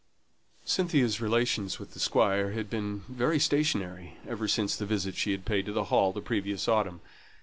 Cynthia's relations with the Squire had been very stationary ever since the visit she had paid to the Hall the previous autumn.